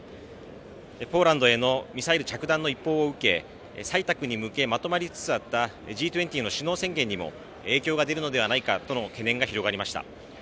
ポーランドへのミサイル着弾の一報を受け採択に向けまとまりつつあったＧ２０の首脳宣言にも影響が出るのではないかとの懸念が広がりました。